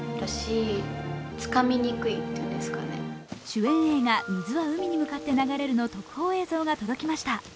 主演映画「水は海に向かって流れる」の特報映像が届きました。